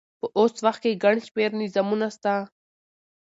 په اوس وخت کښي ګڼ شمېر نظامونه سته.